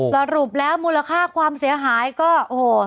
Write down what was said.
สรุปแล้วมูลค่าความเสียหายก็โอ้โห